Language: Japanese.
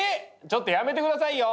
ちょっとやめて下さいよ！